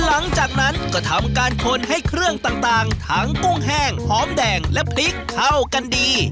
หลังจากนั้นก็ทำการคนให้เครื่องต่างทั้งกุ้งแห้งหอมแดงและพริกเข้ากันดี